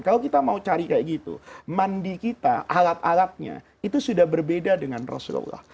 kalau kita mau cari kayak gitu mandi kita alat alatnya itu sudah berbeda dengan rasulullah